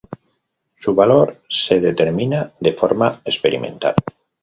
Su valor se determina de forma experimental.